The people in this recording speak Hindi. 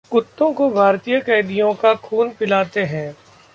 कुत्तों को भारतीय कैदियों का खून पिलाते हैं